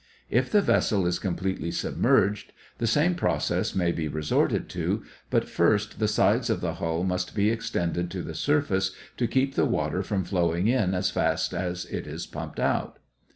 If the vessel is completely submerged, the same process may be resorted to, but first the sides of the hull must be extended to the surface to keep the water from flowing in as fast as it is pumped out.